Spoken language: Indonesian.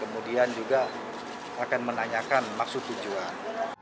kemudian juga akan menanyakan maksud tujuan